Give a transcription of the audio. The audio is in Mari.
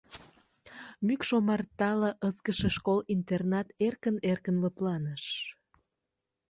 Мӱкш омартала ызгыше школ-интернат эркын-эркын лыпланыш.